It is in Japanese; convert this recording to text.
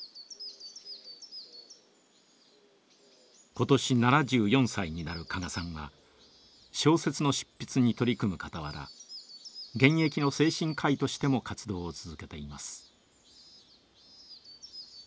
今年７４歳になる加賀さんは小説の執筆に取り組むかたわら現役の精神科医としても活動を続けています。